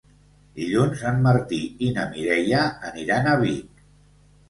Dilluns en Martí i na Mireia aniran a Vic.